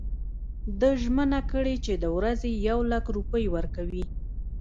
ده ژمنه کړې چې د ورځي یو لک روپۍ ورکوي.